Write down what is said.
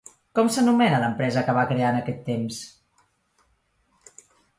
Com s'anomena l'empresa que va crear en aquest temps?